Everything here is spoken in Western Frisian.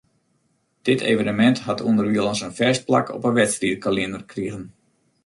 Dit evenemint hat ûnderwilens in fêst plak op 'e wedstriidkalinder krigen.